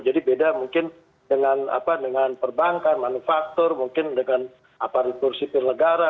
jadi beda mungkin dengan perbankan manufaktur mungkin dengan aparatur sipil negara